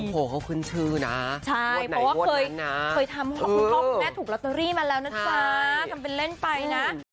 โอ้โหเขาขึ้นชื่อนะใช่เพราะว่าเคยทำคุณพ่อคุณแม่ถูกลอตเตอรี่มาแล้วนะจ๊ะทำเป็นเล่นไปนะ